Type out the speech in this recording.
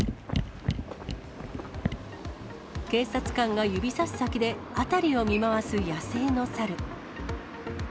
警察官が指さす先で、辺りを見回す野生の猿。